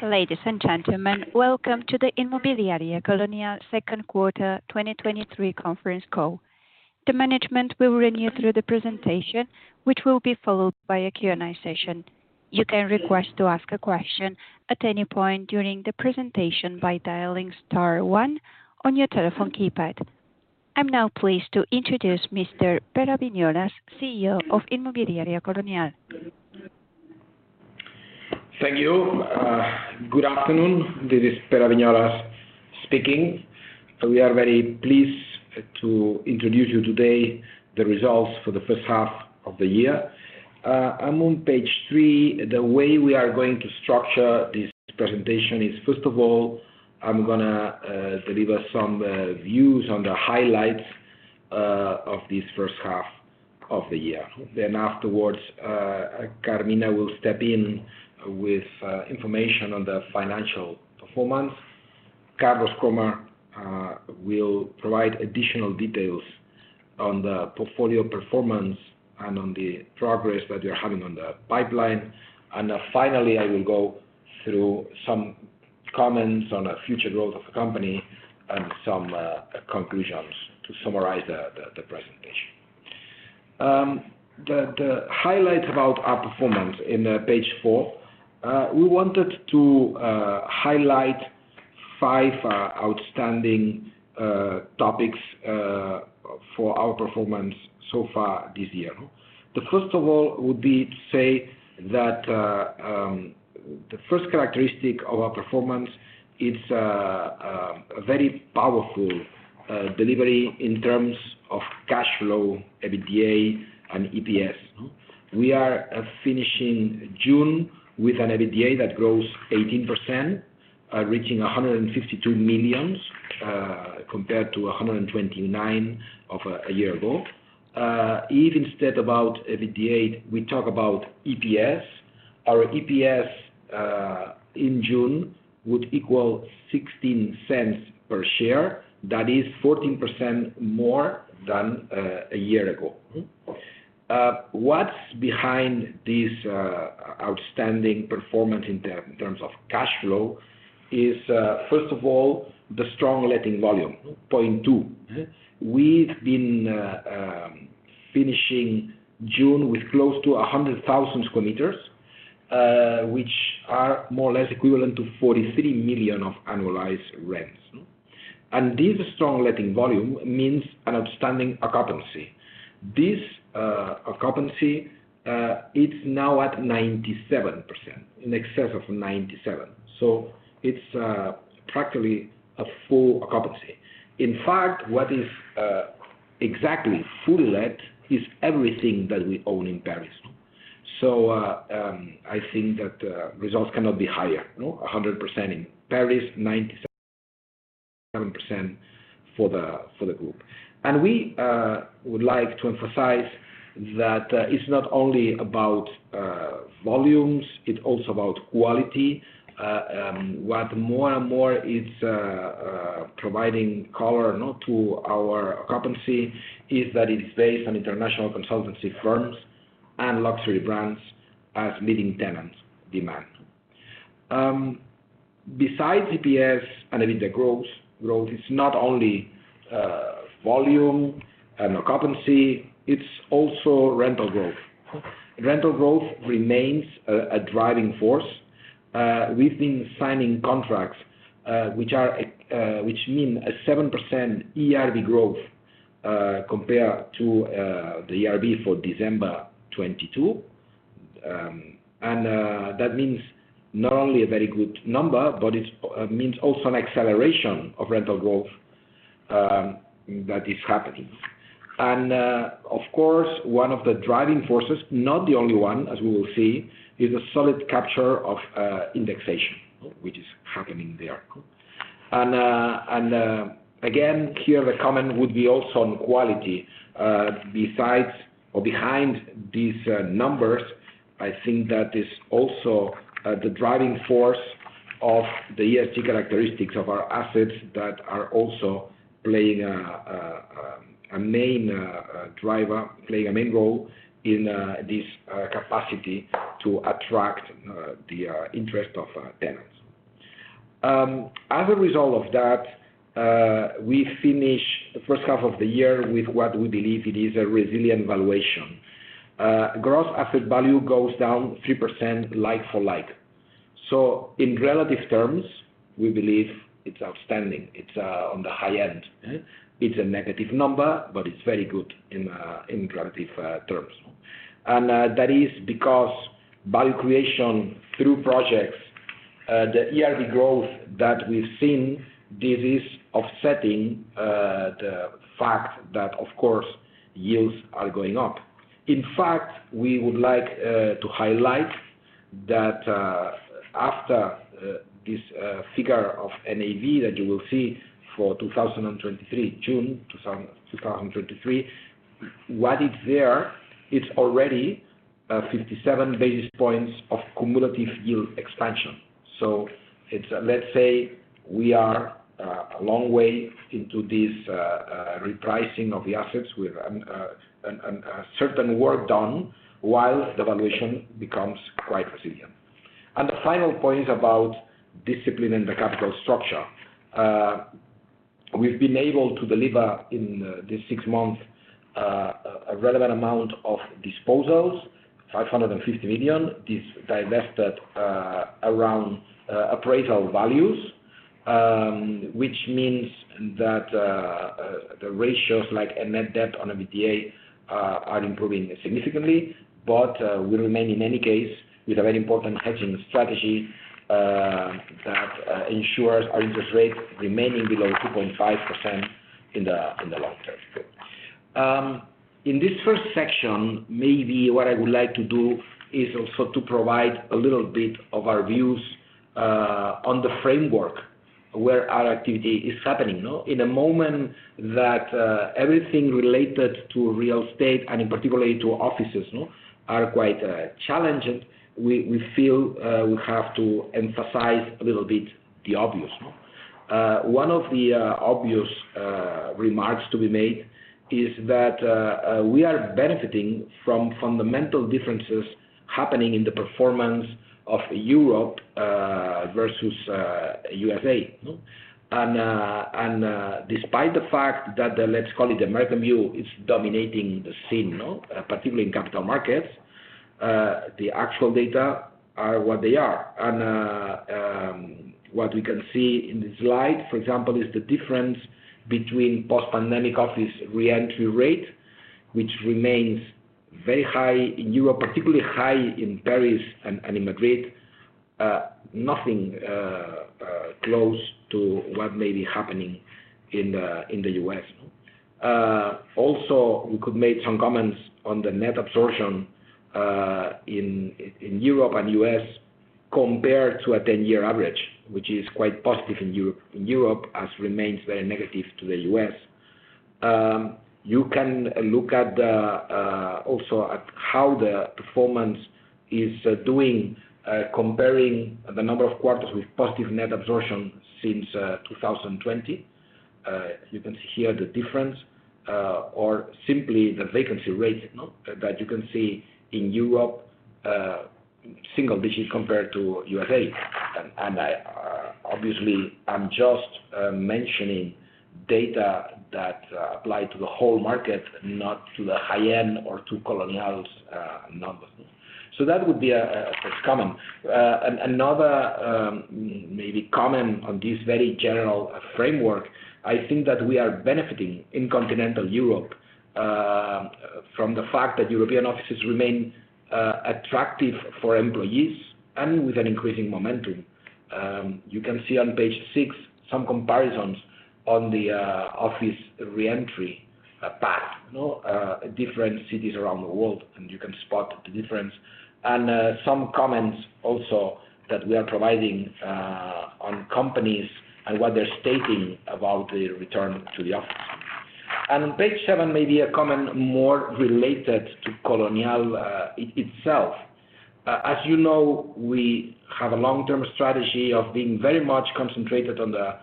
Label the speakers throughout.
Speaker 1: Ladies and gentlemen, welcome to the Inmobiliaria Colonial Second Quarter 2023 Conference call. The management will run you through the presentation, which will be followed by a Q&A session. You can request to ask a question at any point during the presentation by dialing star one on your telephone keypad. I'm now pleased to introduce Mr. Pere Viñolas, CEO of Inmobiliaria Colonial.
Speaker 2: Thank you. Good afternoon. This is Pere Viñolas speaking. We are very pleased to introduce you today the results for the first half of the year. I'm on page three. The way we are going to structure this presentation is, first of all, I'm gonna deliver some views on the highlights of this first half of the year. Afterwards, Carmina will step in with information on the financial performance. Carlos Krohmer will provide additional details on the portfolio performance and on the progress that we are having on the pipeline. Finally, I will go through some comments on the future growth of the company and some conclusions to summarize the presentation. The highlight about our performance in page four. We wanted to highlight five outstanding topics for our performance so far this year. First of all would be to say that the first characteristic of our performance is a very powerful delivery in terms of cash flow, EBITDA, and EPS. We are finishing June with an EBITDA that grows 18%, reaching 152 million compared to 129 of a year ago. If instead about EBITDA, we talk about EPS. Our EPS in June would equal 0.16 per share. That is 14% more than a year ago. What's behind this outstanding performance in terms of cash flow is first of all, the strong letting volume. Point two, we've been finishing June with close to 100,000 sq ms, which are more or less equivalent to 43 million of annualized rents. This strong letting volume means an outstanding occupancy. This occupancy it's now at 97%, in excess of 97. It's practically a full occupancy. In fact, what is exactly fully let is everything that we own in Paris. I think that results cannot be higher, no? 100% in Paris, 97% for the group. We would like to emphasize that it's not only about volumes, it's also about quality. What more and more is providing color, no, to our occupancy, is that it is based on international consultancy firms and luxury brands as leading tenants demand. Besides EPS and EBITDA growth, growth is not only volume and occupancy, it's also rental growth. Rental growth remains a driving force. We've been signing contracts, which mean a 7% ERV growth, compared to the ERV for December 2022. That means not only a very good number, but it means also an acceleration of rental growth that is happening. Of course, one of the driving forces, not the only one, as we will see, is a solid capture of indexation, which is happening there. Again, here the comment would be also on quality. Besides or behind these numbers, I think that is also the driving force of the ESG characteristics of our assets that are also playing a main driver. Playing a main role in this capacity to attract the interest of tenants. As a result of that, we finish the first half of the year with what we believe it is a resilient valuation. Gross Asset Value goes down 3% like for like. In relative terms, we believe it's outstanding. It's on the high end. It's a negative number, but it's very good in relative terms. That is because value creation through projects, the ERV growth that we've seen, this is offsetting the fact that, of course, yields are going up. In fact, we would like to highlight that after this figure of NAV that you will see for 2023, June 2023, what is there, it's already 57 basis points of cumulative yield expansion. It's, let's say we are a long way into this repricing of the assets with a certain work done while the valuation becomes quite resilient. The final point about discipline in the capital structure. We've been able to deliver in this six months a relevant amount of disposals, 550 million is divested around appraisal values. Which means that the ratios, like a net debt on a BPA, are improving significantly. We remain in any case, with a very important hedging strategy that ensures our interest rate remaining below 2.5% in the long term. In this first section, maybe what I would like to do is also to provide a little bit of our views on the framework where our activity is happening, no? In a moment that everything related to real estate and in particular to offices, no, are quite challenging, we feel we have to emphasize a little bit the obvious, no? One of the obvious remarks to be made is that we are benefiting from fundamental differences happening in the performance of Europe versus USA, no? Despite the fact that the, let's call it American view, is dominating the scene, no? Particularly in capital markets, the actual data are what they are. What we can see in this slide, for example, is the difference between post-pandemic office re-entry rate, which remains very high in Europe, particularly high in Paris and in Madrid. Nothing, close to what may be happening in the U.S. We could make some comments on the net absorption in Europe and U.S., compared to a 10-year average, which is quite positive in Europe, as remains very negative to the U.S. You can look at the, also at how the performance is doing, comparing the number of quarters with positive net absorption since, 2020. You can see here the difference, or simply the vacancy rate, no? That you can see in Europe, single digits compared to USA. I, obviously, I'm just mentioning data that apply to the whole market, not to the high-end or to Colonial's numbers. That would be a first comment. Another, maybe comment on this very general framework, I think that we are benefiting in continental Europe from the fact that European offices remain attractive for employees and with an increasing momentum. You can see on page six, some comparisons on the office re-entry path, no, different cities around the world, and you can spot the difference. Some comments also that we are providing on companies and what they're stating about the return to the office. On page seven, maybe a comment more related to Colonial itself. As you know, we have a long-term strategy of being very much concentrated on the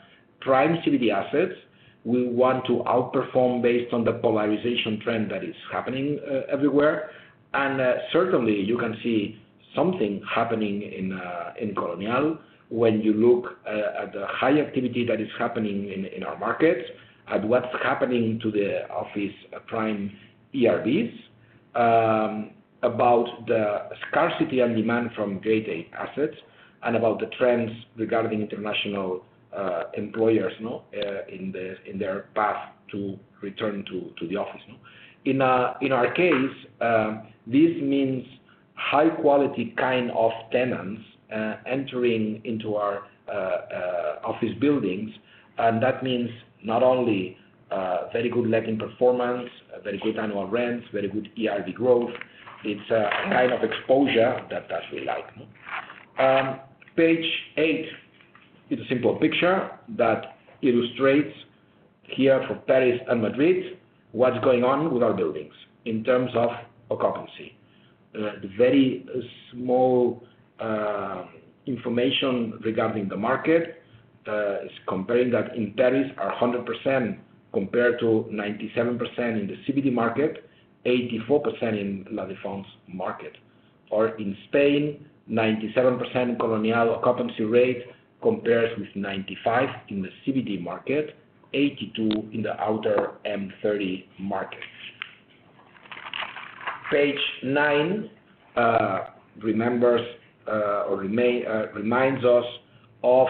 Speaker 2: prime CBD assets. We want to outperform based on the polarization trend that is happening everywhere. Certainly, you can see something happening in Colonial when you look at the high activity that is happening in our markets, at what's happening to the office prime ERVs. About the scarcity and demand from Grade A assets, and about the trends regarding international employers, no, in their path to return to the office. In our case, this means high quality kind of tenants entering into our office buildings. That means not only very good letting performance, very good annual rents, very good ERV growth, it's a kind of exposure that we like. Page eight is a simple picture that illustrates here for Paris and Madrid, what's going on with our buildings in terms of occupancy. Very small information regarding the market is comparing that in Paris, 100%, compared to 97% in the CBD market, 84% in La Defense market. In Spain, 97% Colonial occupancy rate, compares with 95 in the CBD market, 82 in the outer M30 markets. Page nine remembers or reminds us of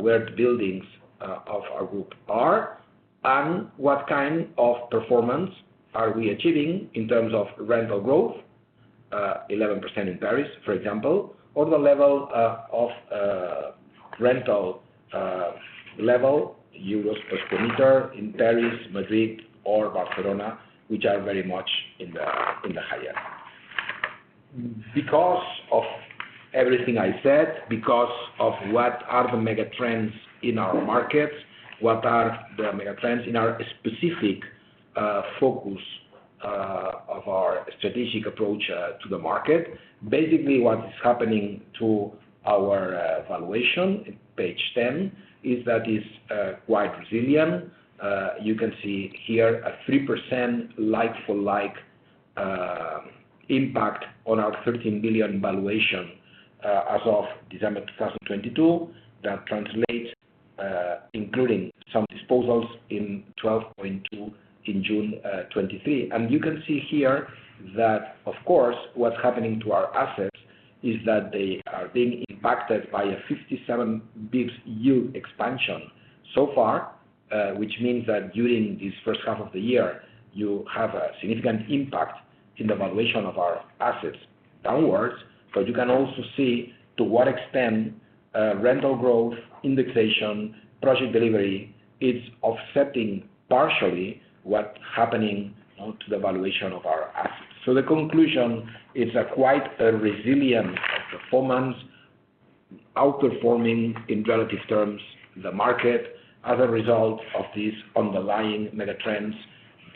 Speaker 2: where the buildings of our group are, and what kind of performance are we achieving in terms of rental growth. 11% in Paris, for example, or the level of rental level euros per sq m in Paris, Madrid, or Barcelona, which are very much in the high end. Because of everything I said, because of what are the mega trends in our markets, what are the mega trends in our specific focus of our strategic approach to the market. Basically, what is happening to our valuation, page 10, is that it's quite resilient. You can see here a 3% like for like impact on our 13 billion valuation as of December 2022. That translates, including some disposals in 12.2 billion in June 2023. You can see here that, of course, what's happening to our assets is that they are being impacted by a 57 basis points yield expansion so far. Which means that during this first half of the year, you have a significant impact in the valuation of our assets downwards. You can also see to what extent rental growth, indexation, project delivery is offsetting partially what's happening to the valuation of our assets. The conclusion is a quite a resilient performance, outperforming, in relative terms, the market as a result of these underlying mega trends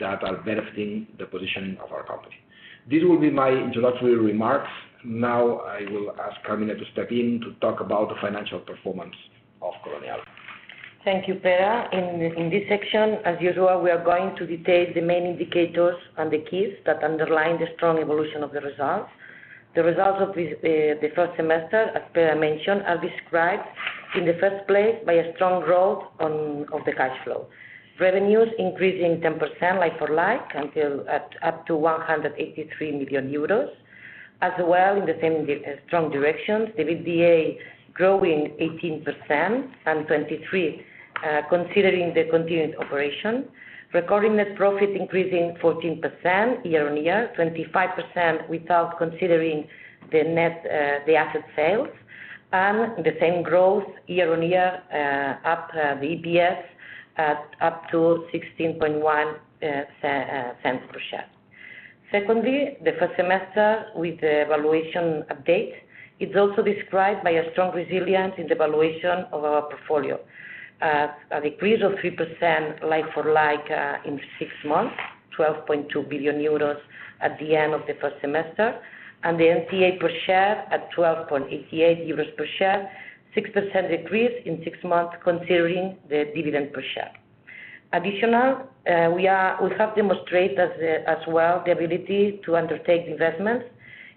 Speaker 2: that are benefiting the positioning of our company. This will be my introductory remarks. Now I will ask Carmina to step in to talk about the financial performance of Colonial.
Speaker 3: Thank you, Pere. In this section, as usual, we are going to detail the main indicators and the keys that underline the strong evolution of the results. The results of this first semester, as Pere mentioned, are described in the first place by a strong growth of the cash flow. Revenues increasing 10% like for like, up to 183 million euros. As well, in the same strong direction, the EBITDA growing 18% and 23% considering the continued operation. Recording net profit increasing 14% year-on-year, 25% without considering the asset sales. The same growth year-on-year, up the EPS at up to 0.161 per share. Secondly, the first semester with the valuation update is also described by a strong resilience in the valuation of our portfolio. A decrease of 3% like for like in six months, 12.2 billion euros at the end of the first semester, and the NAV per share at 12.88 euros per share, 6% decrease in six months considering the dividend per share. Additional, we have demonstrated as well, the ability to undertake investments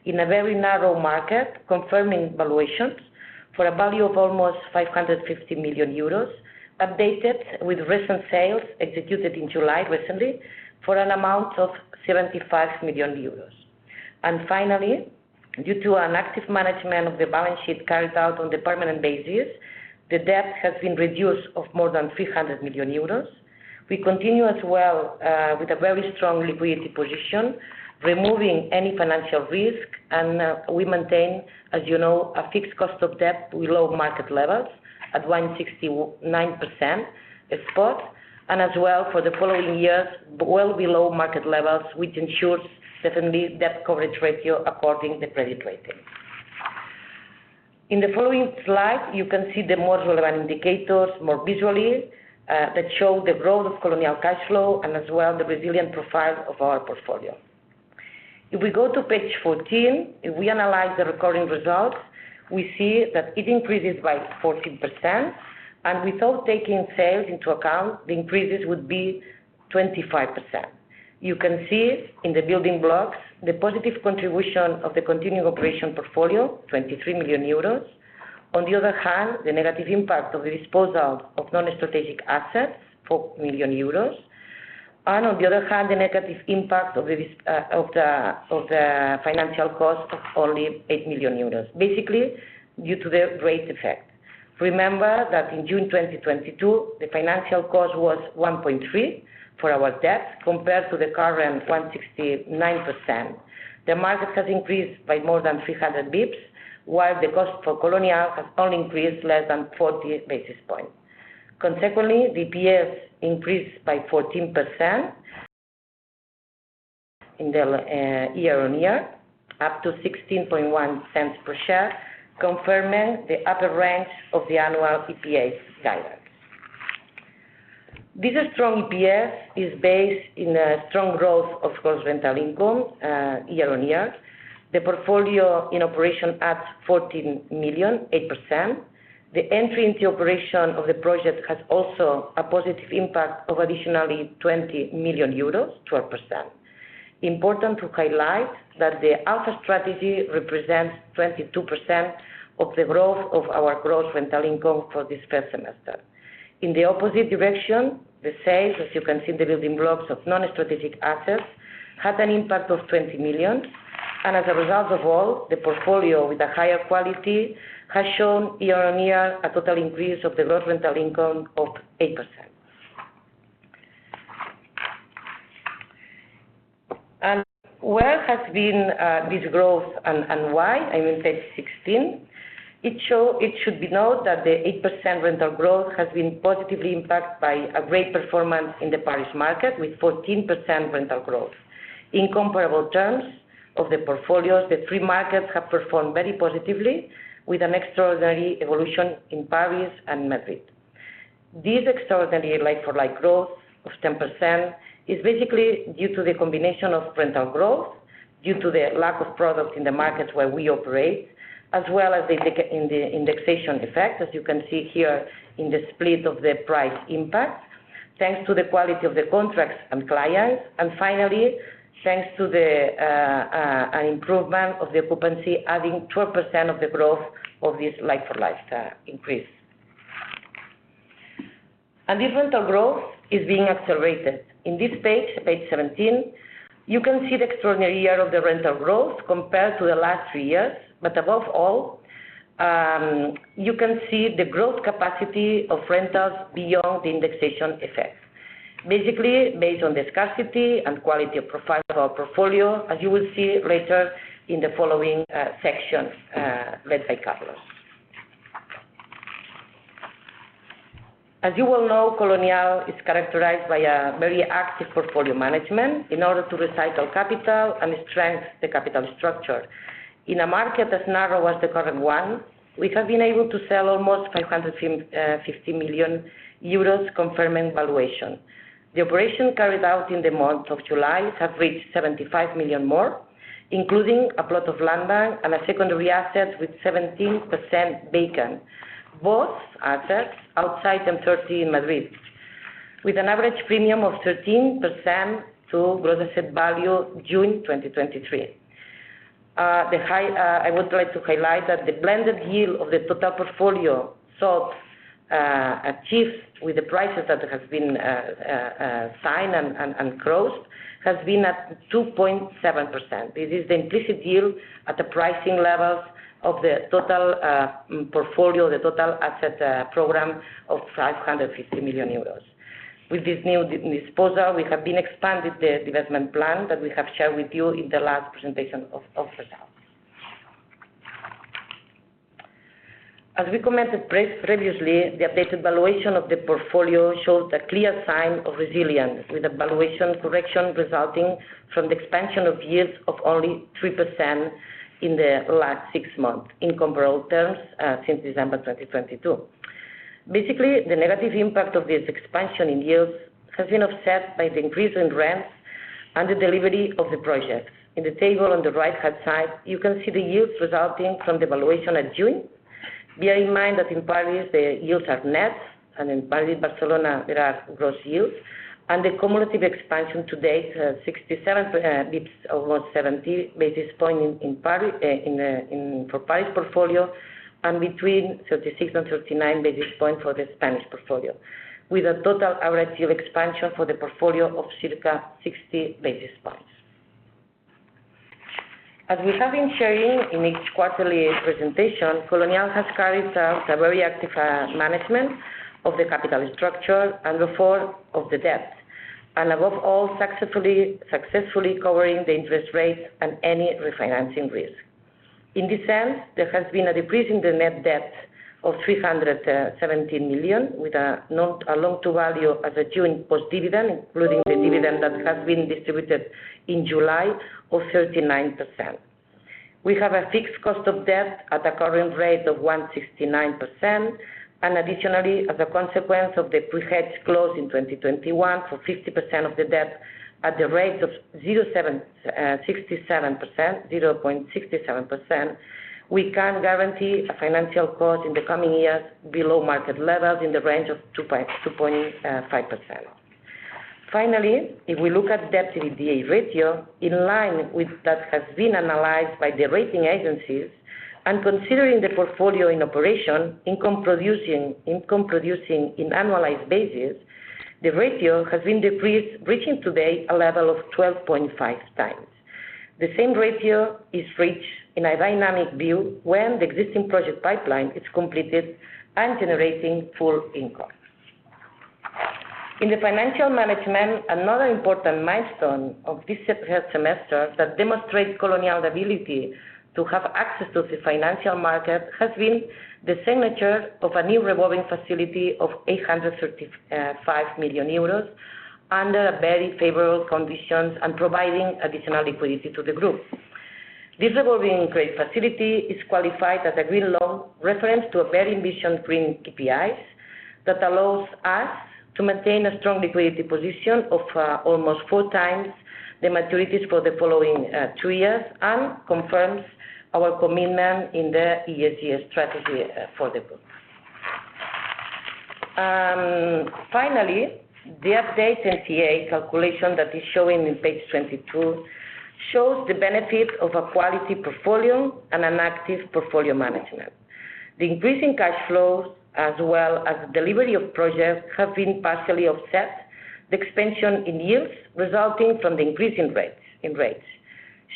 Speaker 3: in a very narrow market, confirming valuations for a value of almost 550 million euros, updated with recent sales executed in July recently, for an amount of 75 million euros. Finally, due to an active management of the balance sheet carried out on the permanent basis, the debt has been reduced of more than 300 million euros. We continue as well with a very strong liquidity position, removing any financial risk. We maintain, as you know, a fixed cost of debt below market levels at 169% spot. As well for the following years, well below market levels, which ensures certainly debt coverage ratio according to credit rating. In the following slide, you can see the more relevant indicators, more visually, that show the growth of Colonial cash flow. As well, the resilient profile of our portfolio. If we go to page 14, if we analyze the recording results, we see that it increases by 14%. Without taking sales into account, the increases would be 25%. You can see in the building blocks, the positive contribution of the continuing operation portfolio, 23 million euros. On the other hand, the negative impact of the disposal of non-strategic assets, 4 million euros, and on the other hand, the negative impact of the financial cost of only 8 million euros, basically due to the rate effect. Remember that in June 2022, the financial cost was 1.3% for our debt, compared to the current 1.69%. The market has increased by more than 300 basis points, while the cost for Colonial has only increased less than 40 basis points. Consequently, the EPS increased by 14% year-on-year, up to 0.161 per share, confirming the upper range of the annual EPS guidance. This strong EPS is based in a strong growth of gross rental income year-on-year. The portfolio in operation adds 14 million, 8%. The entry into operation of the project has also a positive impact of additionally 20 million euros, 12%. Important to highlight that the alpha strategy represents 22% of the growth of our gross rental income for this 1st semester. In the opposite direction, the sales, as you can see in the building blocks of non-strategic assets, had an impact of 20 million. As a result of all, the portfolio with a higher quality has shown year-on-year, a total increase of the gross rental income of 8%. Where has been this growth and why? I'm in page 16. It should be note that the 8% rental growth has been positively impacted by a great performance in the Paris market, with 14% rental growth. In comparable terms of the portfolios, the three markets have performed very positively with an extraordinary evolution in Paris and Madrid. This extraordinary like-for-like growth of 10% is basically due to the combination of rental growth, due to the lack of product in the markets where we operate, as well as in the indexation effect, as you can see here in the split of the price impact. Thanks to the quality of the contracts and clients. Finally, thanks to an improvement of the occupancy, adding 12% of the growth of this like-for-like increase. This rental growth is being accelerated. In this page, page 17, you can see the extraordinary year of the rental growth compared to the last three years. Above all, you can see the growth capacity of rentals beyond the indexation effect. Basically, based on the scarcity and quality of profile of our portfolio, as you will see later in the following section, led by Carlos. As you all know, Colonial is characterized by a very active portfolio management in order to recycle capital and strengthen the capital structure. In a market as narrow as the current one, we have been able to sell almost 550 million euros, confirming valuation. The operation carried out in the month of July have reached 75 million more, including a plot of landbank and a secondary asset with 17% vacant. Both assets outside M30 in Madrid, with an average premium of 13% to gross asset value, June 2023. I would like to highlight that the blended yield of the total portfolio achieved with the prices that has been signed and closed, has been at 2.7%. This is the implicit yield at the pricing levels of the total portfolio, the total asset program of 550 million euros. With this new disposal, we have been expanded the development plan that we have shared with you in the last presentation of the day. As we commented previously, the updated valuation of the portfolio shows a clear sign of resilience, with a valuation correction resulting from the expansion of yields of only 3% in the last six months, in comparable terms, since December 2022. Basically, the negative impact of this expansion in yields has been offset by the increase in rents and the delivery of the projects. In the table on the right-hand side, you can see the yields resulting from the valuation at June. Bear in mind that in Paris, the yields are net, and in Paris, Barcelona, they are gross yields. The cumulative expansion to date, 67 dips almost 70 basis point in Paris, in Paris portfolio, and between 36 and 39 basis points for the Spanish portfolio, with a total average yield expansion for the portfolio of circa 60 basis points. As we have been sharing in each quarterly presentation, Colonial has carried out a very active management of the capital structure and reform of the debt, and above all, successfully covering the interest rates and any refinancing risk. In this sense, there has been a decrease in the net debt of 370 million, with a loan to value as of June post-dividend, including the dividend that has been distributed in July of 39%. We have a fixed cost of debt at a current rate of 1.69%. Additionally, as a consequence of the pre-hedge close in 2021 for 50% of the debt at the rate of 0.67%, we can guarantee a financial cost in the coming years below market levels in the range of 2.5%. Finally, if we look at debt to EBITDA ratio, in line with what has been analyzed by the rating agencies and considering the portfolio in operation, income producing in annualized basis, the ratio has been decreased, reaching today a level of 12.5 times. The same ratio is reached in a dynamic view when the existing project pipeline is completed and generating full income. In the financial management, another important milestone of this semester that demonstrates Colonial ability to have access to the financial market, has been the signature of a new revolving facility of 835 million euros under very favorable conditions and providing additional liquidity to the group. This revolving credit facility is qualified as a green loan, referenced to a very ambitious green KPIs, that allows us to maintain a strong liquidity position of almost four times the maturities for the following two years, and confirms our commitment in the ESG strategy for the group. Finally, the updated NTA calculation that is showing in page 22, shows the benefit of a quality portfolio and an active portfolio management. The increase in cash flows, as well as delivery of projects, have been partially offset the expansion in yields resulting from the increase in rates.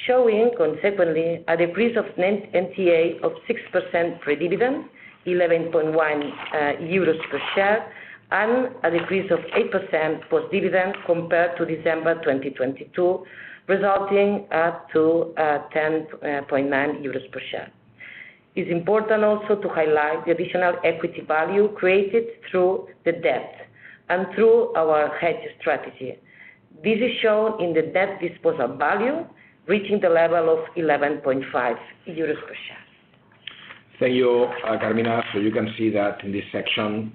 Speaker 3: Showing, consequently, a decrease of net NTA of 6% pre-dividend, 11.1 euros per share, and a decrease of 8% post-dividend compared to December 2022, resulting up to 10.9 euros per share. It's important also to highlight the additional equity value created through the debt and through our hedge strategy. This is shown in the debt disposal value, reaching the level of 11.5 euros per share.
Speaker 2: Thank you, Carmina. You can see that in this section,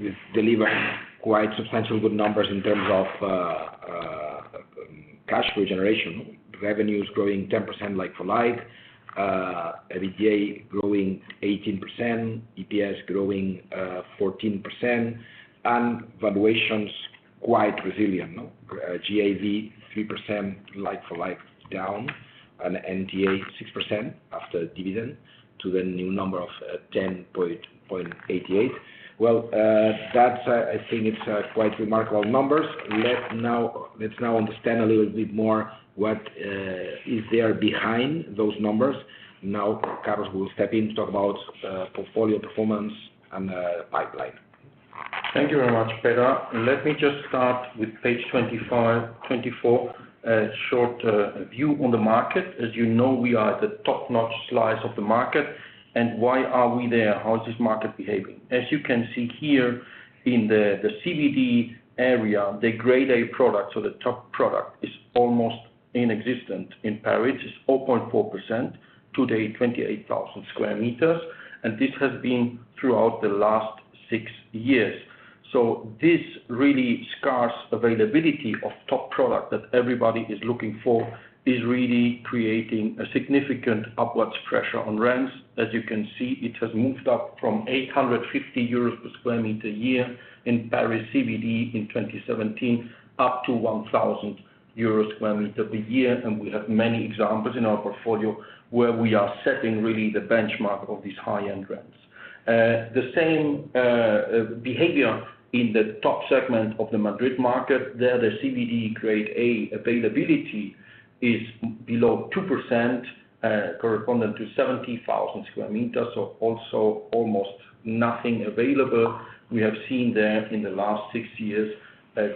Speaker 2: we've delivered quite substantial good numbers in terms of cash flow generation, revenue is growing 10% like for like, EBITDA growing 18%, EPS growing 14%, and valuations quite resilient, no? GAV 3% like for like down, and NTA 6% after dividend to the new number of 10.88. Well, that's, I think it's quite remarkable numbers. Let's now understand a little bit more what is there behind those numbers. Carlos will step in to talk about portfolio performance and pipeline.
Speaker 4: Thank you very much, Pere. Let me just start with page 25, 24, a short view on the market. As you know, we are at the top-notch slice of the market. Why are we there? How is this market behaving? As you can see here in the CBD area, the Grade A product, so the top product, is almost inexistent in Paris. It's 4.4%, today, 28,000 sq ms, and this has been throughout the last six years. This really scarce availability of top product that everybody is looking for is really creating a significant upwards pressure on rents. As you can see, it has moved up from 850 euros per sq m a year in Paris, CBD in 2017, up to 1,000 euros sq m per year. We have many examples in our portfolio where we are setting really the benchmark of these high-end rents. The same behavior in the top segment of the Madrid market. There, the CBD Grade A availability is below 2%, corresponding to 70,000 sq ms, so also almost nothing available. We have seen there in the last six years, a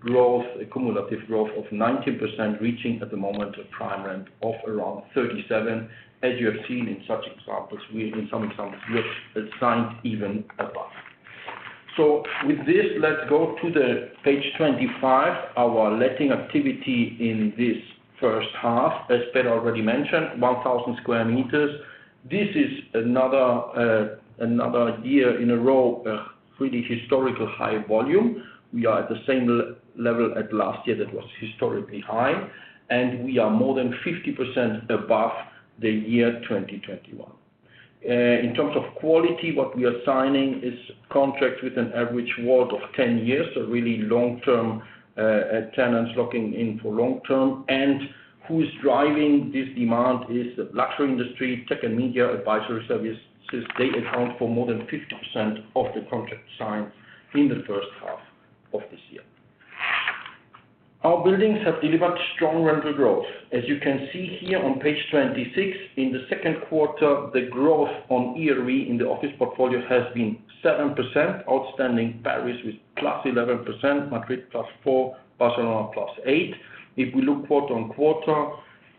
Speaker 4: growth, a cumulative growth of 19, reaching at the moment, a prime rent of around 37. As you have seen in such examples, we, in some examples, which is signed even above. With this, let's go to the page 25, our letting activity in this first half. As Pere Viñolas already mentioned, 1,000 sq ms. This is another year in a row, a really historical high volume. We are at the same level at last year that was historically high, and we are more than 50% above the year 2021. In terms of quality, what we are signing is contracts with an average ward of 10 years, so really long-term tenants locking in for long term. Who is driving this demand is the luxury industry, tech and media, advisory services. They account for more than 50% of the contract signed in the first half of this year. Our buildings have delivered strong rental growth. As you can see here on page 26, in the second quarter, the growth on ERV in the office portfolio has been 7%, outstanding Paris, with +11%, Madrid, +4%, Barcelona, +8%. If we look quarter-on-quarter,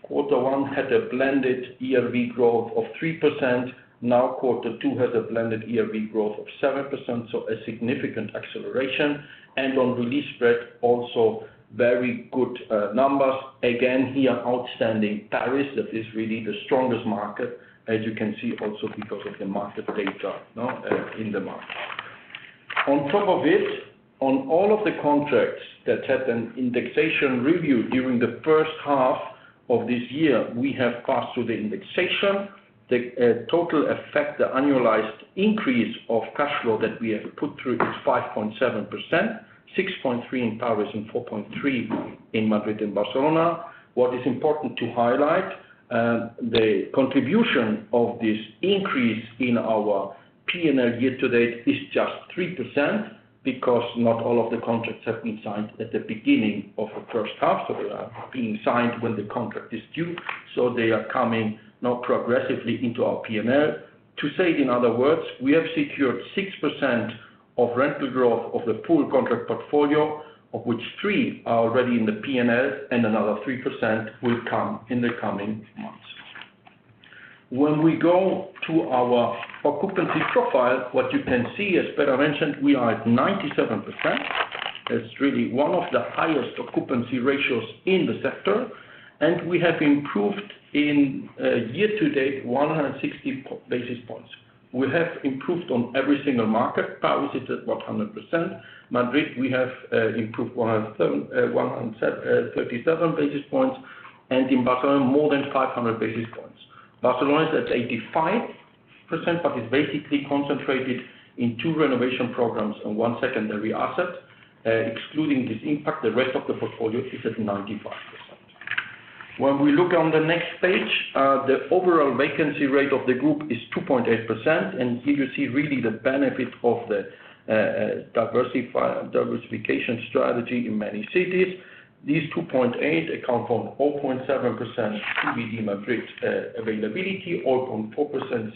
Speaker 4: quarter one had a blended ERV growth of 3%. Now, Q2 has a blended ERV growth of 7%, so a significant acceleration. On re-lease spread, also very good numbers. Again, here, outstanding Paris. That is really the strongest market, as you can see, also because of the market data, no, in the market. On top of it, on all of the contracts that had an indexation review during the first half of this year, we have passed through the indexation. The total effect, the annualized increase of cash flow that we have put through is 5.7%, 6.3% in Paris, and 4.3% in Madrid and Barcelona. What is important to highlight, the contribution of this increase in our PNL year to date is just 3%, because not all of the contracts have been signed at the beginning of the first half. They are being signed when the contract is due, they are coming now progressively into our PNL. To say it in other words, we have secured 6% of rental growth of the pool contract portfolio, of which three are already in the PNL, and another 3% will come in the coming months. We go to our occupancy profile, what you can see, as Pere mentioned, we are at 97%. That's really one of the highest occupancy ratios in the sector, and we have improved in year to date, 160 basis points. We have improved on every single market. Paris is at 100%. Madrid, we have improved 137 basis points, and in Barcelona, more than 500 basis points. Barcelona is at 85%, but is basically concentrated in two renovation programs and one secondary asset. Excluding this impact, the rest of the portfolio is at 95%. When we look on the next page, the overall vacancy rate of the group is 2.8%, and here you see really the benefit of the diversification strategy in many cities. These 2.8 account from 4.7% CBD Madrid, availability, 4.4%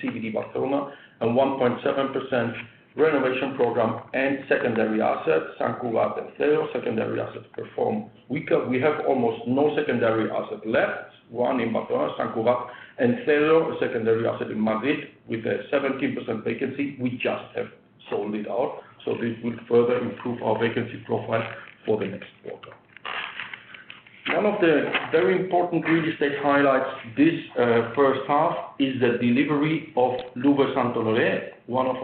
Speaker 4: CBD Barcelona, and 1.7% renovation program and secondary assets, Sant Cugat and Cero. Secondary assets perform. We have almost no secondary asset left, one in Barcelona, Sant Cugat, and Cero, a secondary asset in Madrid with a 17% vacancy. We just have sold it out, so this will further improve our vacancy profile for the next quarter. One of the very important real estate highlights this first half is the delivery of Louvre Saint-Honoré, one of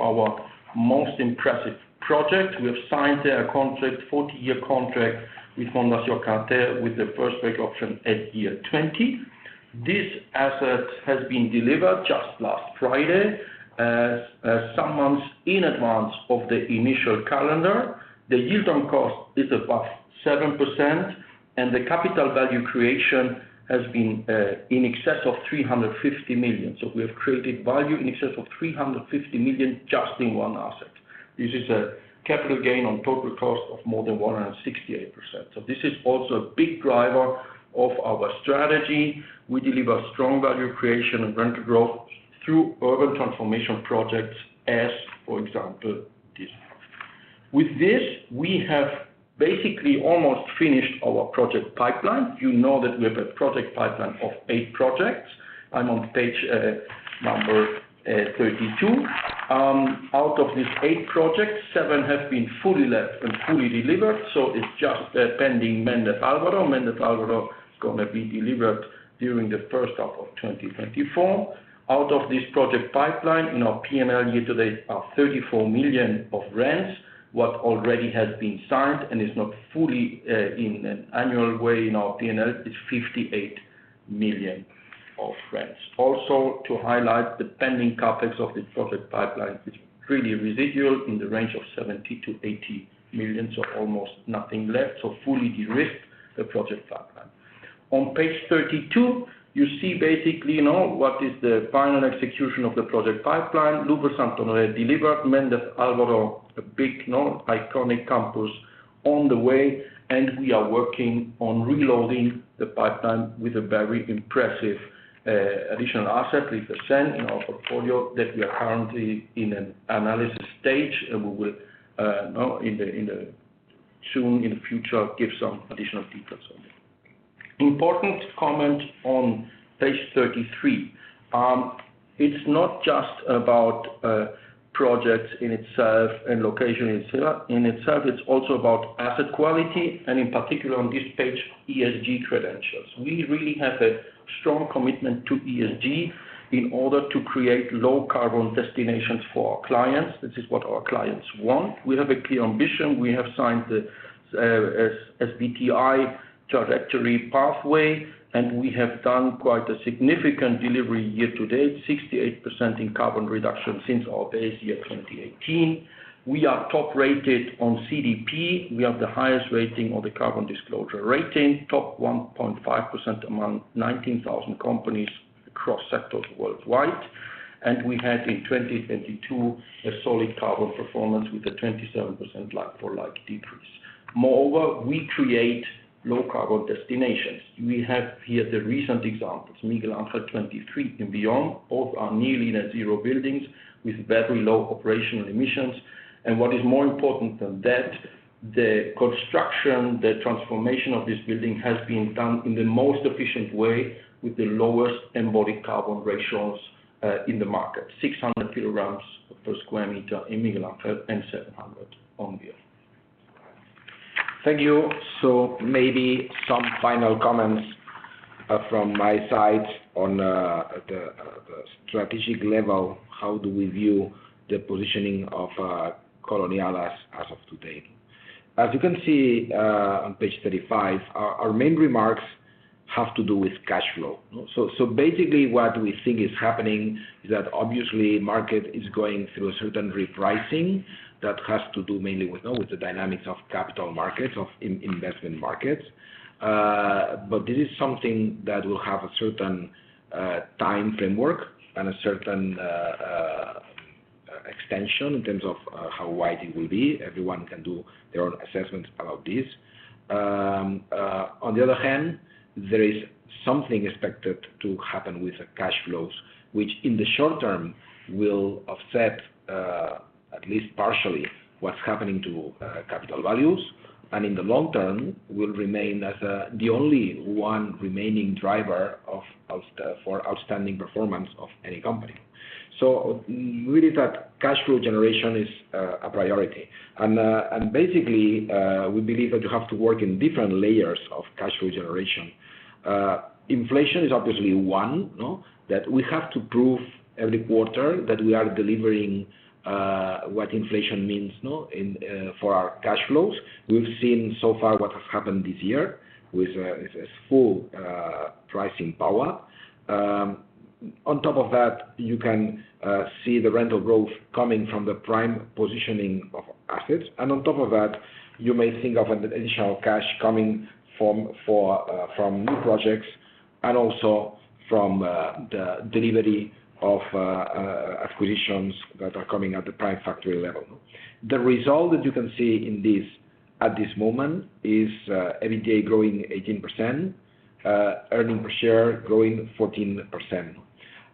Speaker 4: our most impressive project. We have signed a contract, 40-year contract, with Fondation Cartier, with the first break option at year 20. This asset has been delivered just last Friday, as some months in advance of the initial calendar. The yield on cost is above 7%, and the capital value creation has been in excess of 350 million. We have created value in excess of 350 million just in one asset. This is a capital gain on total cost of more than 168%. This is also a big driver of our strategy. We deliver strong value creation and rental growth through urban transformation projects as, for example, this. With this, we have basically almost finished our project pipeline. You know that we have a project pipeline of eight projects. I'm on page number 32. Out of these eight projects, seven have been fully let and fully delivered, so it's just pending Méndez Álvaro. Méndez Álvaro is going to be delivered during the first half of 2024. Out of this project pipeline, in our PNL year to date, are 34 million of rents. What already has been signed and is not fully in an annual way in our PNL is EUR 58 million of rents. Also, to highlight, the pending CapEx of this project pipeline is pretty residual, in the range of 70 million-80 million, so almost nothing left. Fully de-risked the project pipeline. On page 32, you see basically, you know, what is the final execution of the project pipeline. Louvre Saint-Honoré delivered, Méndez Álvaro, a big, known, iconic campus on the way. We are working on reloading the pipeline with a very impressive additional asset, 3% in our portfolio, that we are currently in an analysis stage, and we will soon in the future, give some additional details on it. Important comment on page 33. It's not just about projects in itself and location in itself, it's also about asset quality, and in particular, on this page, ESG credentials. We really have a strong commitment to ESG in order to create low carbon destinations for our clients. This is what our clients want. We have a clear ambition. We have signed the SBTi trajectory pathway. We have done quite a significant delivery year to date, 68% in carbon reduction since our base year, 2018. We are top-rated on CDP. We have the highest rating on the carbon disclosure rating, top 1.5% among 19,000 companies across sectors worldwide. We had in 2022, a solid carbon performance with a 27% like for like decrease. Moreover, we create low carbon destinations. We have here the recent examples, Miguel Ángel 23 and Beyond. Both are nearly net zero buildings with very low operational emissions. What is more important than that, the construction, the transformation of this building has been done in the most efficient way, with the lowest embodied carbon ratios in the market, 600 kg per sq m in Miguel Ángel and 700 on Beyond.
Speaker 2: Thank you. Maybe some final comments from my side on the strategic level, how do we view the positioning of Colonial as of today? As you can see on page 35, our main remarks have to do with cash flow. Basically what we think is happening is that obviously, market is going through a certain repricing that has to do mainly with, you know, with the dynamics of capital markets, of investment markets. But this is something that will have a certain time framework and a certain extension in terms of how wide it will be. Everyone can do their own assessment about this. On the other hand, there is something expected to happen with the cash flows, which in the short term, will offset, at least partially, what's happening to capital values, and in the long term, will remain as the only one remaining driver for outstanding performance of any company. Really, that cash flow generation is a priority. Basically, we believe that you have to work in different layers of cash flow generation. Inflation is obviously one, no? That we have to prove every quarter that we are delivering what inflation means, no, in for our cash flows. We've seen so far what has happened this year with a full pricing power. On top of that, you can see the rental growth coming from the prime positioning of assets. On top of that, you may think of an additional cash coming from from new projects and also from the delivery of acquisitions that are coming at the prime factory level. The result that you can see in this, at this moment, is EBITDA growing 18%, earning per share growing 14%.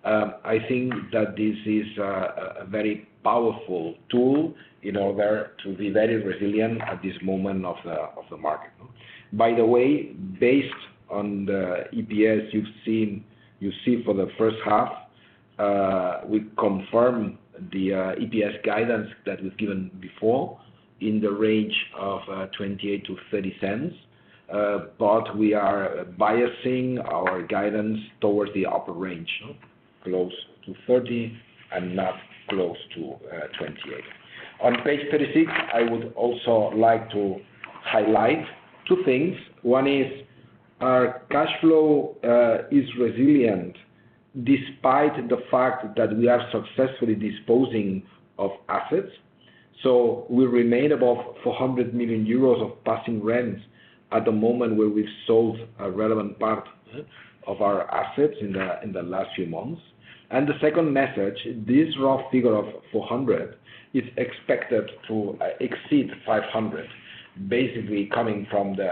Speaker 2: I think that this is a very powerful tool in order to be very resilient at this moment of the market. By the way, based on the EPS you see for the first half, we confirm the EPS guidance that was given before in the range of 0.28-0.30. We are biasing our guidance towards the upper range, close to 0.30 and not close to 0.28. On page 36, I would also like to highlight two things. One is our cash flow is resilient despite the fact that we are successfully disposing of assets. We remain above 400 million euros of passing rents at the moment where we've sold a relevant part of our assets in the last few months. The second message, this rough figure of 400 is expected to exceed 500, basically coming from the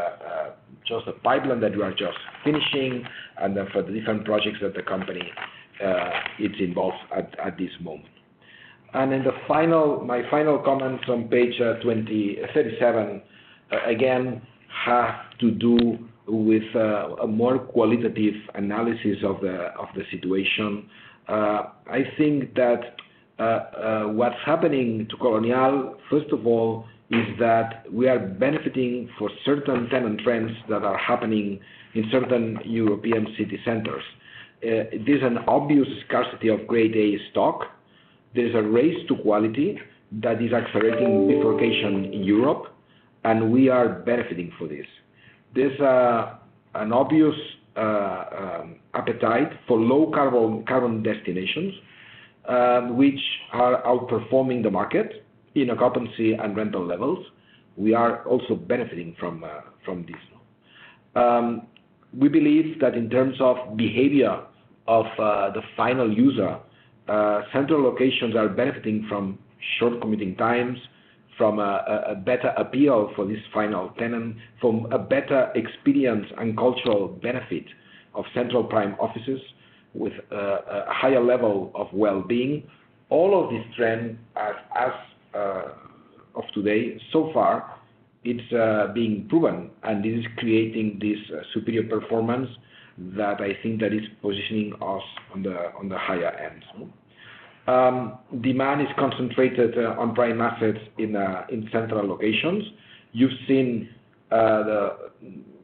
Speaker 2: just the pipeline that we are just finishing, and then for the different projects that the company is involved at this moment. My final comments on page 37, again, have to do with a more qualitative analysis of the situation. I think that what's happening to Colonial, first of all, is that we are benefiting for certain tenant trends that are happening in certain European city centers. There's an obvious scarcity of Grade A stock. There's a race to quality that is accelerating bifurcation in Europe. We are benefiting for this. There's an obvious appetite for low carbon, carbon destinations, which are outperforming the market in occupancy and rental levels. We are also benefiting from this. We believe that in terms of behavior of the final user, central locations are benefiting from short commuting times, from a better appeal for this final tenant, from a better experience and cultural benefit of central prime offices with a higher level of well-being. All of this trend as of today, so far, it's being proven, and it is creating this superior performance that I think that is positioning us on the higher end. Demand is concentrated on prime assets in central locations. You've seen the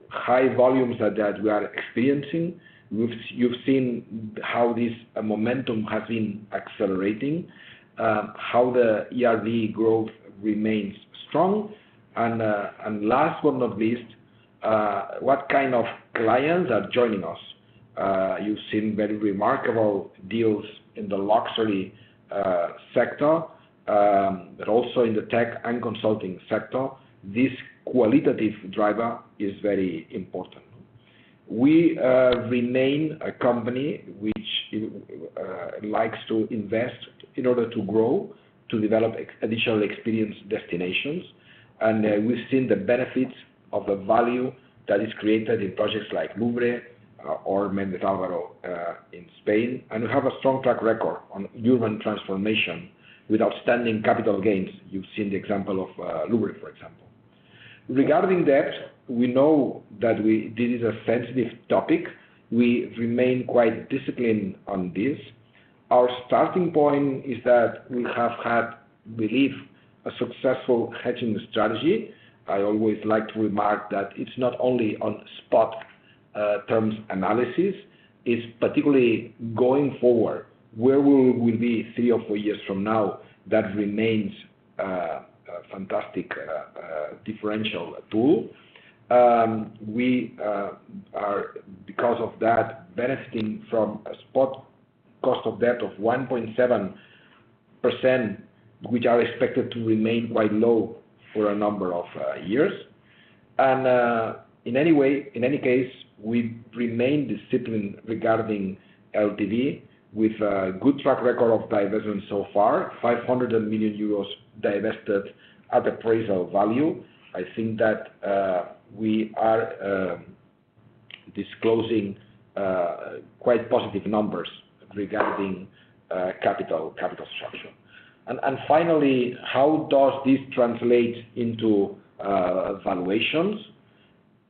Speaker 2: high volumes that we are experiencing. You've seen how this momentum has been accelerating, how the ERV growth remains strong. Last but not least, what kind of clients are joining us. You've seen very remarkable deals in the luxury sector, but also in the tech and consulting sector. This qualitative driver is very important. We remain a company which likes to invest in order to grow, to develop additional experience destinations. We've seen the benefits of the value that is created in projects like Louvre or Méndez Álvaro in Spain. We have a strong track record on urban transformation with outstanding capital gains. You've seen the example of Louvre, for example. Regarding debt, we know that this is a sensitive topic. We remain quite disciplined on this. Our starting point is that we have had, believe, a successful hedging strategy. I always like to remark that it's not only on spot terms analysis, it's particularly going forward, where will we be three or four years from now? That remains a fantastic differential tool. We are, because of that, benefiting from a spot cost of debt of 1.7%, which are expected to remain quite low for a number of years. In any way, in any case, we remain disciplined regarding LTV with a good track record of diversion so far, 500 million euros divested at appraisal value. I think that we are disclosing quite positive numbers regarding capital structure. Finally, how does this translate into valuations?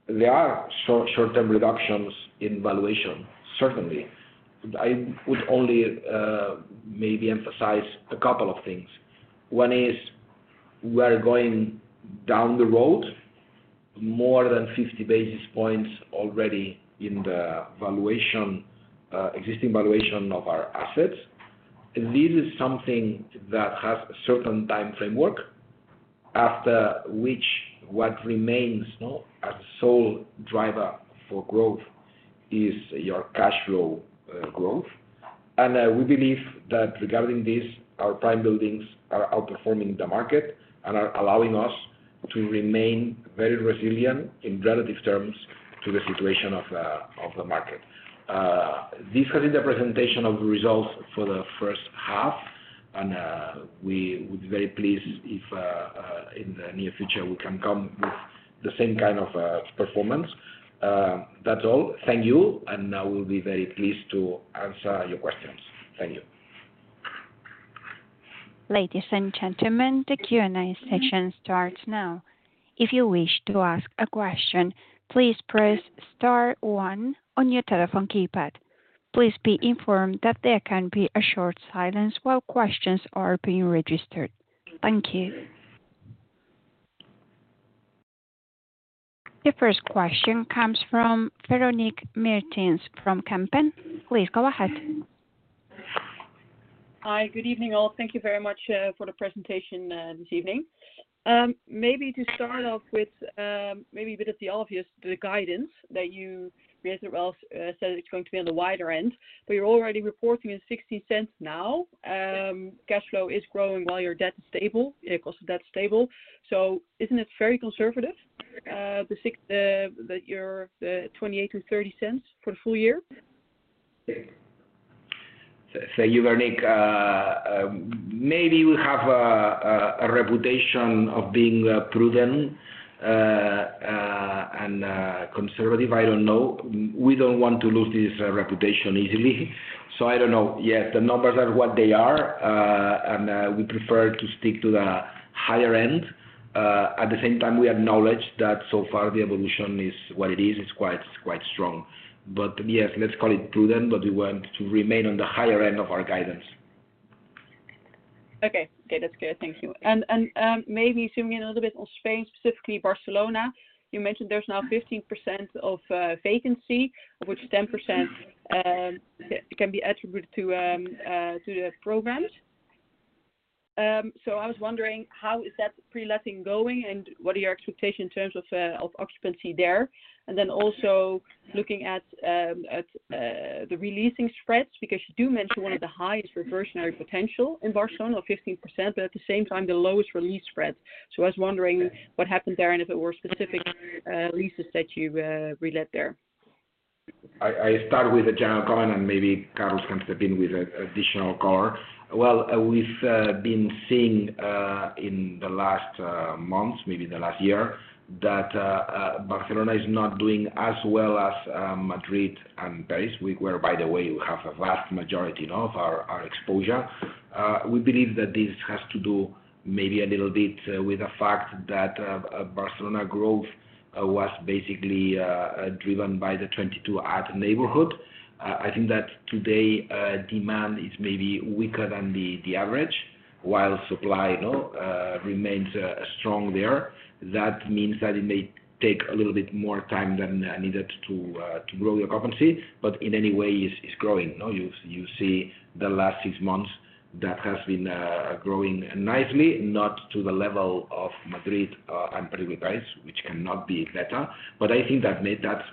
Speaker 2: There are short-term reductions in valuation, certainly. I would only maybe emphasize a couple of things. One is we are going down the road more than 50 basis points already in the valuation, existing valuation of our assets. This is something that has a certain time framework, after which, what remains now as sole driver for growth is your cash flow growth. We believe that regarding this, our prime buildings are outperforming the market and are allowing us to remain very resilient in relative terms to the situation of the market. This has been the presentation of the results for the first half, and we would be very pleased if in the near future, we can come with the same kind of performance. That's all. Thank you. I will be very pleased to answer your questions. Thank you.
Speaker 1: Ladies and gentlemen, the Q&A session starts now. If you wish to ask a question, please press star one on your telephone keypad. Please be informed that there can be a short silence while questions are being registered. Thank you. The first question comes from Véronique Meertens from Kempen. Please go ahead.
Speaker 5: Hi. Good evening, all. Thank you very much for the presentation this evening. Maybe to start off with, maybe a bit of the obvious, the guidance that you recently, well, said it's going to be on the wider end, but you're already reporting at 0.60 now. Cash flow is growing while your debt is stable, cost of debt is stable. Isn't it very conservative, the six that you're 0.28-0.30 for the full year?
Speaker 2: Véronique, maybe we have a reputation of being prudent and conservative, I don't know. We don't want to lose this reputation easily. I don't know. Yes, the numbers are what they are and we prefer to stick to the higher end. At the same time, we acknowledge that so far the evolution is what it is. It's quite strong. Yes, let's call it prudent, but we want to remain on the higher end of our guidance.
Speaker 5: Okay. Okay, that's clear. Thank you. Maybe zooming in a little bit on Spain, specifically Barcelona, you mentioned there's now 15% of vacancy, of which 10% can be attributed to the programs. I was wondering, how is that pre-letting going, and what are your expectations in terms of occupancy there? Then also looking at the re-leasing spreads, because you do mention one of the highest reversionary potential in Barcelona of 15%, but at the same time, the lowest re-lease spread. I was wondering what happened there and if it were specific leases that you relet there.
Speaker 2: I start with a general comment. Maybe Carlos can step in with an additional comment. Well, we've been seeing in the last months, maybe in the last year, that Barcelona is not doing as well as Madrid and Paris, where, by the way, we have a vast majority of our exposure. We believe that this has to do maybe a little bit with the fact that Barcelona growth was basically driven by the 22@neighborhood. I think that today demand is maybe weaker than the average, while supply, you know, remains strong there. That means that it may take a little bit more time than needed to grow the occupancy, but in any way is growing. No, you see the last six months, that has been growing nicely, not to the level of Madrid and Paris, which cannot be better, but I think that's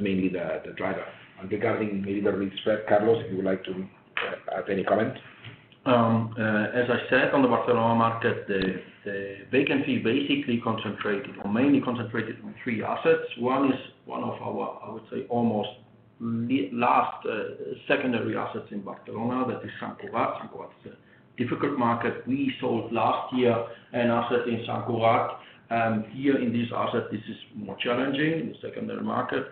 Speaker 2: mainly the driver. Regarding maybe the re-lease spread, Carlos, you would like to add any comment?
Speaker 4: As I said, on the Barcelona market, the vacancy basically concentrated or mainly concentrated on three assets. One is one of our, I would say, almost last secondary assets in Barcelona, that is Sant Cugat. Sant Cugat is a difficult market. We sold last year an asset in Sant Cugat. Here in this asset, this is more challenging in the secondary market.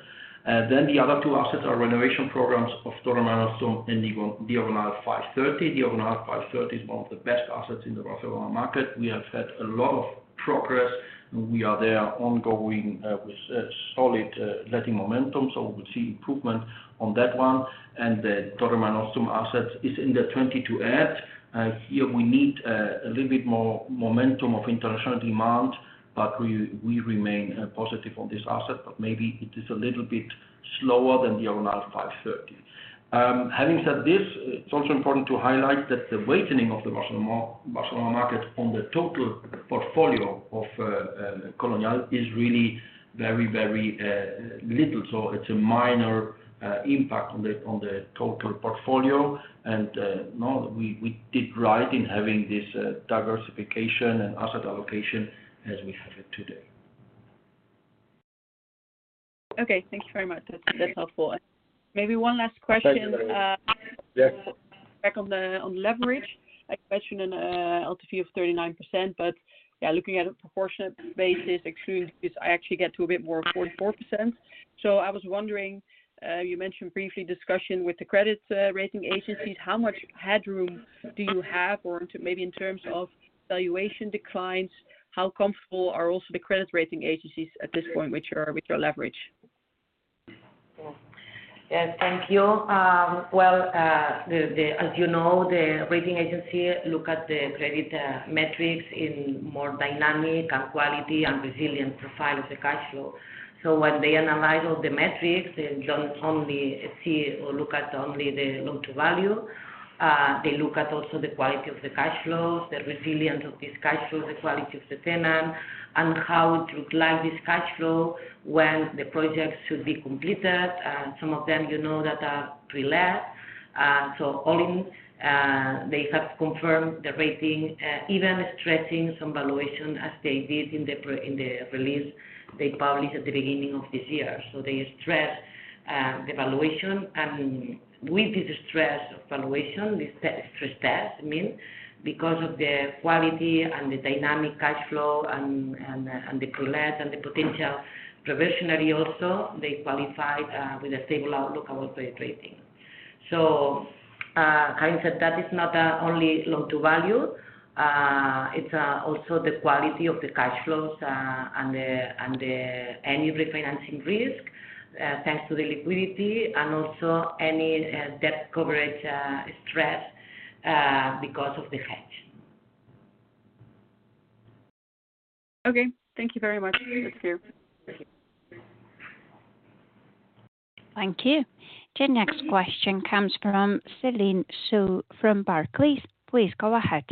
Speaker 4: The other two assets are renovation programs of Torre Marenostrum and the Diagonal 530. Diagonal 530 is one of the best assets in the Barcelona market. We have had a lot of progress, and we are there ongoing with a solid letting momentum. We would see improvement on that one. The Torre Marenostrum asset is in the 22@. Here we need a little bit more momentum of international demand, but we remain positive on this asset, but maybe it is a little bit slower than the Diagonal 530. Having said this, it's also important to highlight that the weightening of the Barcelona market on the total portfolio of Colonial is really very, very little. It's a minor impact on the total portfolio. No, we did right in having this diversification and asset allocation as we have it today.
Speaker 5: Okay. Thank you very much. That's helpful. Maybe one last question.
Speaker 2: Yes.
Speaker 5: back on the, on leverage. A question on LTV of 39%, but yeah, looking at a proportionate basis, excluding this, I actually get to a bit more, 44%. I was wondering, you mentioned briefly discussion with the credit rating agencies. How much headroom do you have, or maybe in terms of valuation declines, how comfortable are also the credit rating agencies at this point with your leverage?
Speaker 3: Yes, thank you. As you know, the rating agency look at the credit metrics in more dynamic and quality and resilient profile of the cash flow. When they analyze all the metrics, they don't only see or look at only the loan to value. They look at also the quality of the cash flows, the resilience of this cash flow, the quality of the tenant, and how it look like this cash flow when the projects should be completed. Some of them, you know, that are pre-let. All in, they have confirmed the rating, even stressing some valuation as they did in the release they published at the beginning of this year. They stress the valuation, and with this stress valuation, the stress test, I mean, because of the quality and the dynamic cash flow and the pre-let and the potential reversionary also, they qualify with a stable outlook on the rating. Having said that, is not only loan to value, it's also the quality of the cash flows, and the any refinancing risk, thanks to the liquidity and also any debt coverage stress because of the hedge.
Speaker 5: Okay, thank you very much. Thank you.
Speaker 1: Thank you. The next question comes from Céline Soo from Barclays. Please go ahead.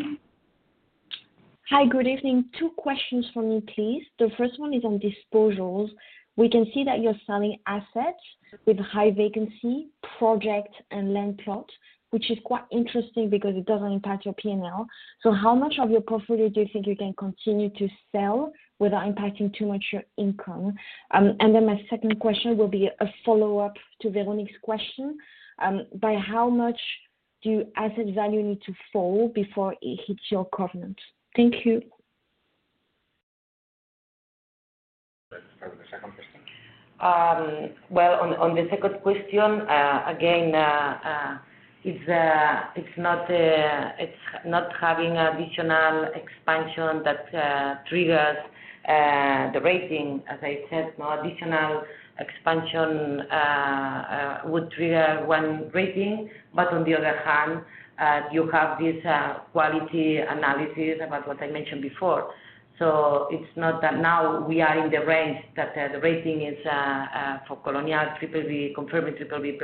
Speaker 6: Hi, good evening. Two questions for me, please. The first one is on disposals. We can see that you're selling assets with high vacancy, project, and land plots, which is quite interesting because it doesn't impact your PNL. How much of your portfolio do you think you can continue to sell without impacting too much your income? My second question will be a follow-up to Véronique Meertens's question. By how much do asset value need to fall before it hits your covenant? Thank you.
Speaker 2: Start with the second question.
Speaker 3: Well on the second question, again, it's not, it's not having additional expansion that triggers the rating. As I said, no additional expansion would trigger one rating. But on the other hand, you have this quality analysis about what I mentioned before. So it's not that now we are in the range, that the rating is for Colonial BBB, confirmed BBB+,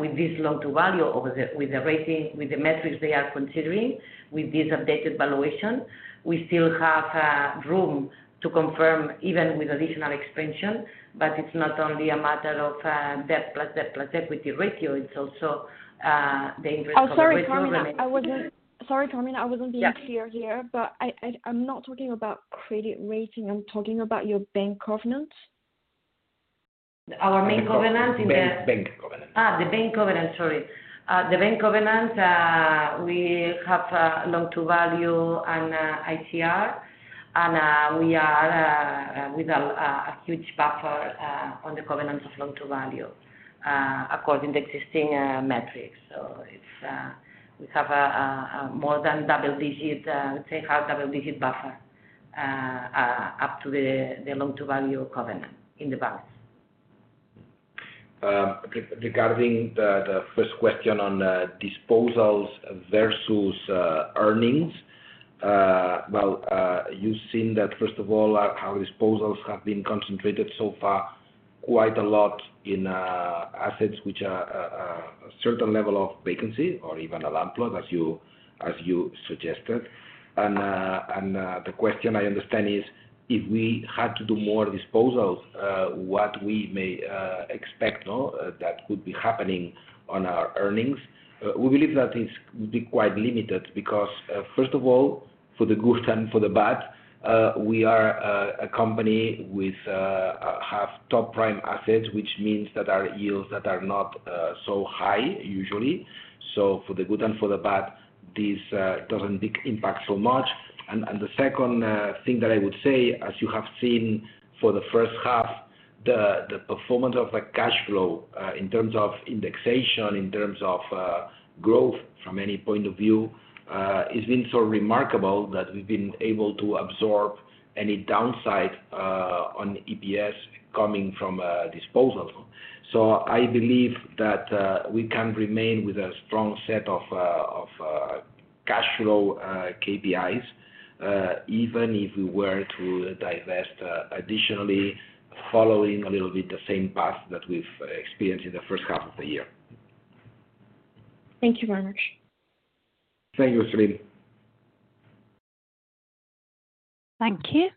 Speaker 3: with this loan to value over the, with the rating, with the metrics they are considering, with this updated valuation. We still have room to confirm even with additional expansion, but it's not only a matter of debt, plus debt, plus equity ratio, it's also the interest of the
Speaker 6: Oh, sorry, Carmina. Sorry, Carmina, I wasn't being clear here.
Speaker 3: Yeah.
Speaker 6: I'm not talking about credit rating. I'm talking about your bank covenant.
Speaker 3: Our main covenant in.
Speaker 2: Bank covenant.
Speaker 3: The bank covenant, sorry. The bank covenant, we have loan to value and ICR, and we are with a huge buffer on the covenants of loan to value, according to existing metrics. It's, we have a more than double digit, let's say half double digit buffer up to the loan to value covenant in the balance.
Speaker 2: Regarding the first question on disposals versus earnings, you've seen that first of all, how disposals have been concentrated so far, quite a lot in assets which are a certain level of vacancy or even a land plot, as you suggested. The question I understand is, if we had to do more disposals, what we may expect, no? That could be happening on our earnings. We believe that is, would be quite limited, because first of all, for the good and for the bad, we are a company with top prime assets, which means that our yields are not so high usually. For the good and for the bad, this doesn't impact so much. The second thing that I would say, as you have seen for the first half, the performance of the cash flow, in terms of indexation, in terms of growth from any point of view, it's been so remarkable that we've been able to absorb any downside on EPS coming from disposals. I believe that we can remain with a strong set of cash flow KPIs, even if we were to divest additionally, following a little bit the same path that we've experienced in the first half of the year.
Speaker 6: Thank you very much.
Speaker 2: Thank you, Celine.
Speaker 1: Thank you.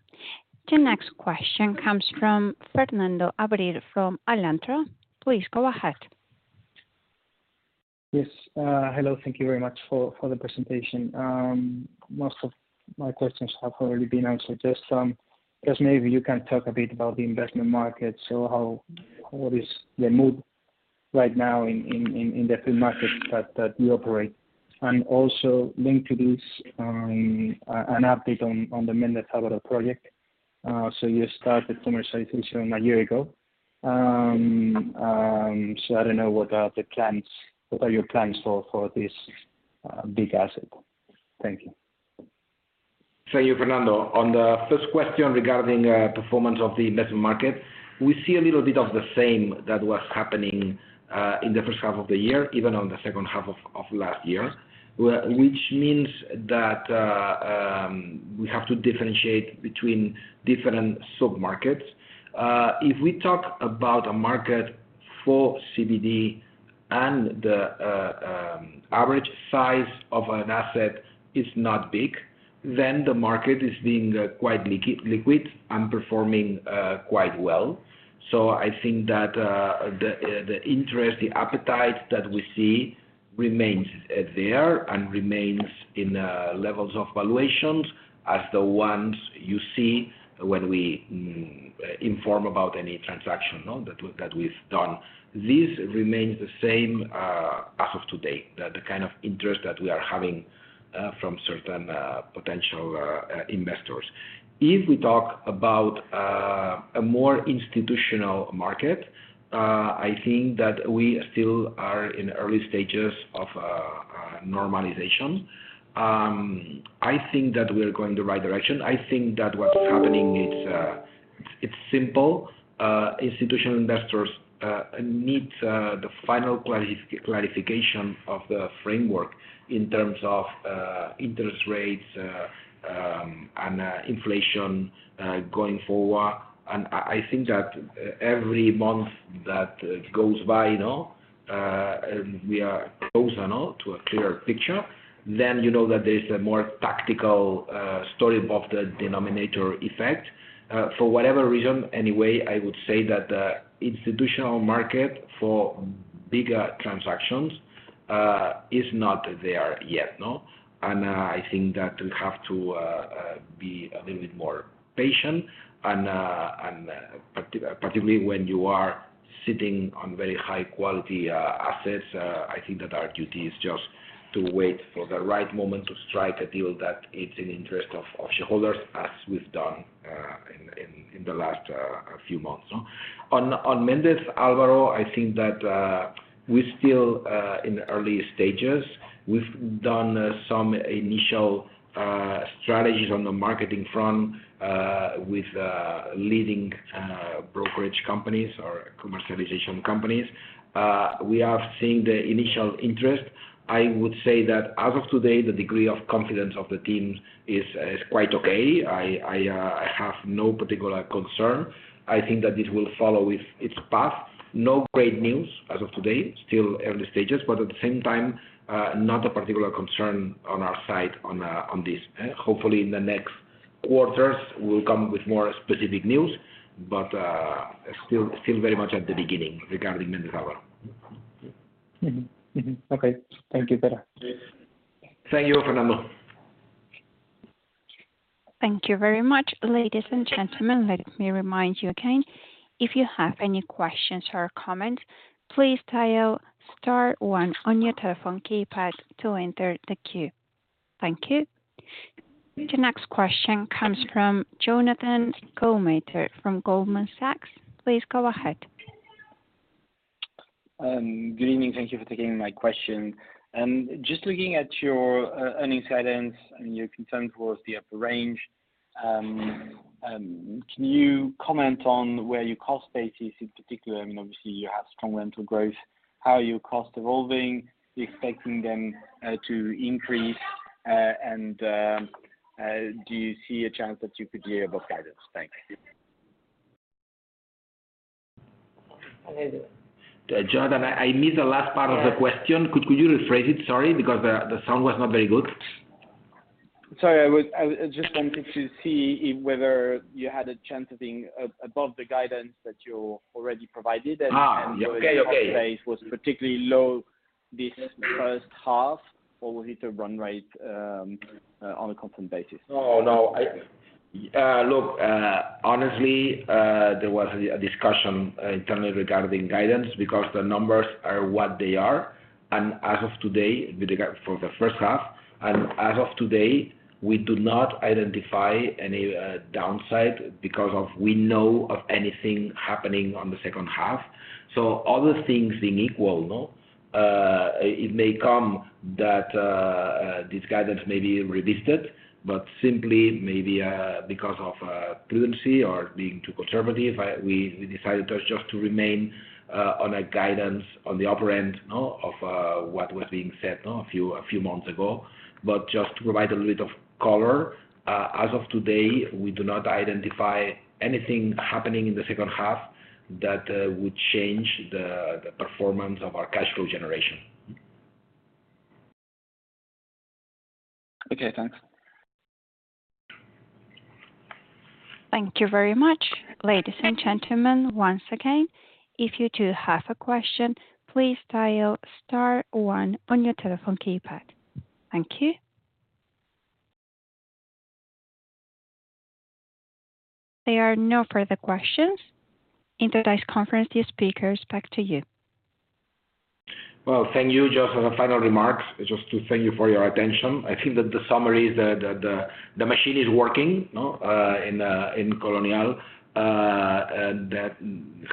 Speaker 1: The next question comes from Fernando Abril-Martorell from Alantra. Please go ahead.
Speaker 7: Yes. Hello, thank you very much for the presentation. Most of my questions have already been answered. Just maybe you can talk a bit about the investment market. How, what is the mood right now in the food market that you operate? Also linked to this, an update on the Méndez Álvaro project. You started commercialization a year ago. I don't know what are the plans, what are your plans for this big asset? Thank you.
Speaker 2: Thank you, Fernando. On the first question regarding performance of the investment market, we see a little bit of the same that was happening in the first half of the year, even on the second half of last year. Which means that we have to differentiate between different submarkets. If we talk about a market for CBD and the average size of an asset is not big, then the market is being quite liquid and performing quite well. I think that the interest, the appetite that we see remains there and remains in levels of valuations as the ones you see when we inform about any transaction, no? That we've done. This remains the same as of today, the kind of interest that we are having from certain potential investors. If we talk about a more institutional market, I think that we still are in early stages of normalization. I think that we are going the right direction. I think that what's happening is it's simple. Institutional investors need the final clarification of the framework in terms of interest rates and inflation going forward. I think that every month that goes by, no, and we are closer, no, to a clearer picture, then you know that there's a more tactical story above the denominator effect. For whatever reason, anyway, I would say that the institutional market for bigger transactions is not there yet, no? I think that we have to be a little bit more patient and, and particularly when you are sitting on very high quality assets, I think that our duty is just to wait for the right moment to strike a deal that it's in interest of shareholders, as we've done in the last few months. On Méndez Álvaro, I think that we're still in the early stages. We've done some initial strategies on the marketing front, with leading brokerage companies or commercialization companies. We are seeing the initial interest. I would say that as of today, the degree of confidence of the team is quite okay. I have no particular concern. I think that it will follow its path. No great news as of today, still early stages. At the same time, not a particular concern on our side on, on this. Hopefully, in the next quarters, we'll come with more specific news. Still very much at the beginning regarding Méndez Álvaro.
Speaker 7: Okay. Thank you, Pere
Speaker 2: Thank you, Fernando.
Speaker 1: Thank you very much, ladies and gentlemen. Let me remind you again, if you have any questions or comments, please dial star one on your telephone keypad to enter the queue. Thank you. The next question comes from Jonathan De Guzman from Goldman Sachs. Please go ahead.
Speaker 8: Good evening. Thank you for taking my question. Just looking at your earnings guidance and your concern towards the upper range, can you comment on where your cost base is, in particular? I mean, obviously you have strong rental growth. How are your costs evolving? You expecting them to increase, and do you see a chance that you could year above guidance? Thanks.
Speaker 2: Jonathan, I missed the last part of the question.
Speaker 8: Yeah.
Speaker 2: Could you rephrase it? Sorry, because the sound was not very good.
Speaker 8: Sorry, I just wanted to see if whether you had a chance of being above the guidance that you already provided?
Speaker 2: Okay, okay.
Speaker 8: Your cost base was particularly low this first half, or was it a run rate, on a constant basis?
Speaker 2: No I. Look, honestly, there was a discussion internally regarding guidance because the numbers are what they are. As of today, with regard for the first half, as of today, we do not identify any downside because of we know of anything happening on the second half. Other things being equal, no, it may come that this guidance may be revisited, but simply maybe because of prudency or being too conservative we decided just to remain on a guidance on the upper end, no, of what was being said, no, a few months ago. Just to provide a little bit of color, as of today, we do not identify anything happening in the second half that would change the performance of our cash flow generation.
Speaker 8: Okay, thanks.
Speaker 1: Thank you very much. Ladies and gentlemen, once again, if you do have a question, please dial star one on your telephone keypad. Thank you. There are no further questions. Inter-Dice Conference speakers, back to you.
Speaker 2: Well, thank you. Just as a final remarks, just to thank you for your attention. I think that the summary is that the, the machine is working, no, in Colonial. That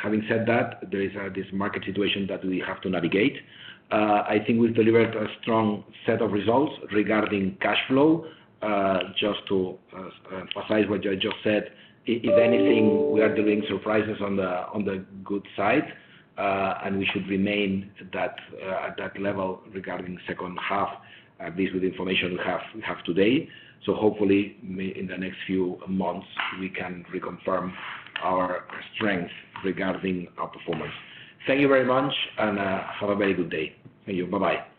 Speaker 2: having said that, there is this market situation that we have to navigate. I think we've delivered a strong set of results regarding cashflow. Just to emphasize what I just said, if anything, we are doing surprises on the, on the good side, and we should remain that at that level regarding the second half, at least with the information we have today. Hopefully, may, in the next few months, we can reconfirm our strength regarding our performance. Thank you very much, and have a very good day. Thank you. Bye-bye.